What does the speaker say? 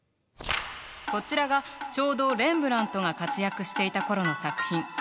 こちらがちょうどレンブラントが活躍していた頃の作品。